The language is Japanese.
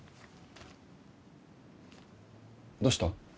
どうした？